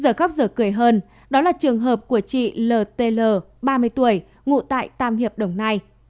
giờ khóc giờ cười hơn đó là trường hợp của chị ltl ba mươi tuổi ngụ tại tam hiệp đồng này